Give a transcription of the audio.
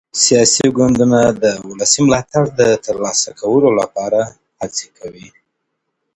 سياسي ګوندونه د ولسي ملاتړ د ترلاسه کولو لپاره هڅي کوي.